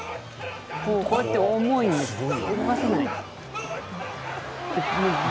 こうやって重い、動かせない。